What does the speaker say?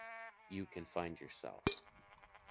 You can find yourself.